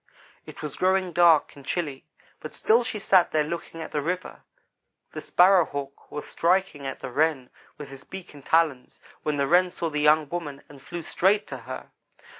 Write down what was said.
It was growing dark and chilly, but still she sat there looking at the river. The Sparrow hawk was striking at the Wren with his beak and talons, when the Wren saw the young woman and flew straight to her.